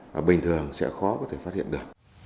và bình thường sẽ khó có thể phát hiện được